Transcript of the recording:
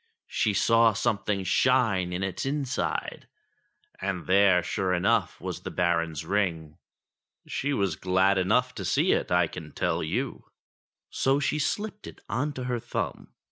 she saw something shine in its in side, and there, sure enough, was the Baron's ring ! She was glad enough to see it, I can tell you ; so she slipped it on to her thumb.